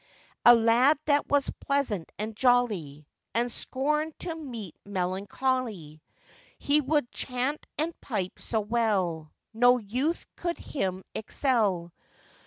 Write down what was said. A lad that was pleasant and jolly, And scorned to meet melancholy; He would chant and pipe so well, No youth could him excel.